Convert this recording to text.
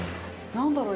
◆何だろう